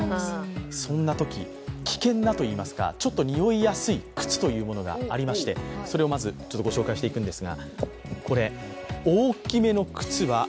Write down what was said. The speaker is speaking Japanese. そんなとき、危険なといいますかちょっとにおいやすい靴がありましてそれをまずご紹介していきます。